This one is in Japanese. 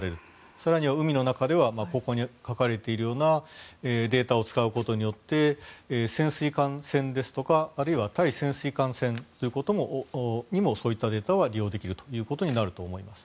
更には海の中ではここに描かれているようなデータを使うことによって潜水艦戦ですとかあるいは対潜水艦戦にもそういったデータは利用できるということになると思います。